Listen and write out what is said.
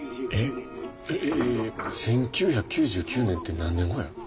１９９９年って何年後や。